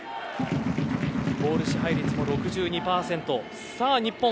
ボール支配率も６２％が日本。